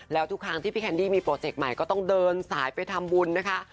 แล้วทุกครั้งที่พี่แคนดี้มีโปรเจกต์ใหม่ก็ต้องเดินสายไปทำบุญนะคะ